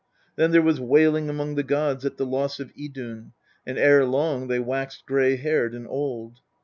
" Then there was walling among the gods at the loss of Idun, and ere long they waxed grey haired and old.